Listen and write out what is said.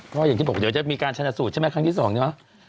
ก็อย่างที่บอกเดี๋ยวจะมีการชนะสูตรใช่ไหมครั้งที่๒ใช่ไหม